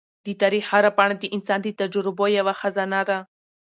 د تاریخ هره پاڼه د انسان د تجربو یوه خزانه ده.